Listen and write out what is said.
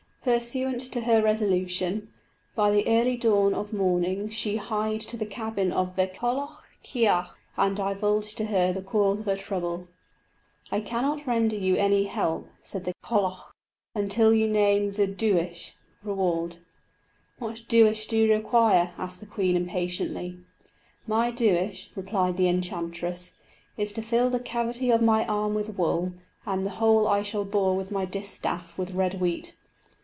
Pursuant to her resolution, by the early dawn of morning she hied to the cabin of the Cailleach chearc, and divulged to her the cause of her trouble. "I cannot render you any help," said the Cailleach, "until you name the duais" (reward). "What duais do you require?" asked the queen, impatiently. "My duais," replied the enchantress, "is to fill the cavity of my arm with wool, and the hole I shall bore with my distaff with red wheat."